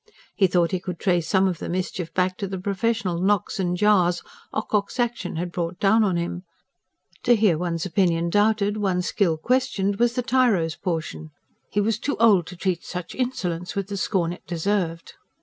He thought he could trace some of the mischief back to the professional knocks and jars Ocock's action had brought down on him: to hear one's opinion doubted, one's skill questioned, was the tyro's portion; he was too old to treat such insolence with the scorn it deserved.